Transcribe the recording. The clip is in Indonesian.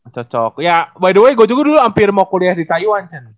cocok ya by the way gue juga dulu hampir mau kuliah di taiwan